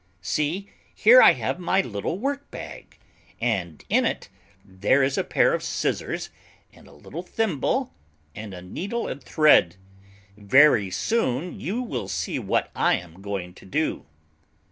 See, here I have my little work bag, and in it there is a pair of scissors, and a little thimble, and a needle and thread. Very soon you will see what I am going to do."